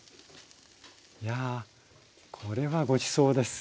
いやこれはごちそうです。